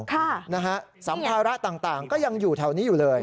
ค่ะนะฮะสัมภาระต่างก็ยังอยู่แถวนี้อยู่เลย